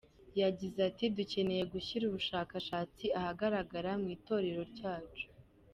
Yagize ati “Dukeneye gushyira ubushakashatsi ahagaragara mu itorero ryacu.